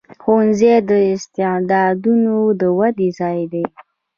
ښوونځی د استعدادونو د ودې ځای دی.